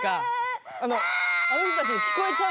あのあの人たちに聞こえちゃうんで。